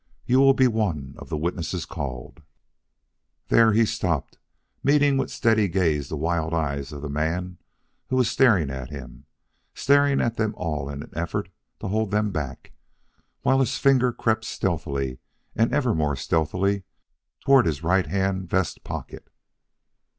You will be one of the witnesses called " There he stopped, meeting with steady gaze the wild eyes of the man who was staring at him, staring at them all in an effort to hold them back, while his finger crept stealthily and ever more stealthily toward his right hand vest pocket.